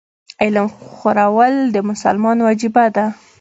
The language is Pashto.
علم خورل د مسلمان وجیبه ده.